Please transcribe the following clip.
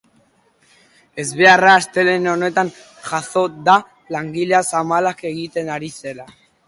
Ezbeharra astelehen honetan jazo da, langilea zamalanak egiten ari zela.